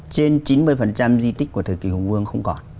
trên chín mươi di tích của thời kỳ hùng vương không còn